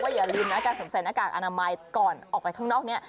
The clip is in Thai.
อย่าลืมนะการสวมใส่หน้ากากอนามัยก่อนออกไปข้างนอกนี้